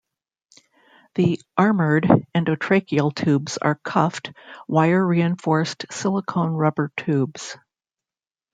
The "armored" endotracheal tubes are cuffed, wire-reinforced silicone rubber tubes.